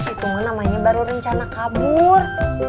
itu mah namanya baru rencana kabur